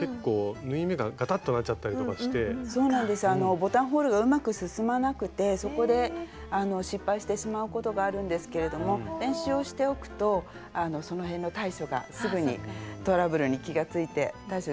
ボタンホールがうまく進まなくてそこで失敗してしまうことがあるんですけれども練習をしておくとその辺の対処がすぐにトラブルに気がついて対処できると思います。